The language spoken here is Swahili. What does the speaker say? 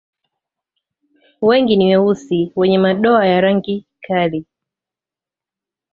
Wengi ni weusi wenye madoa ya rangi kali.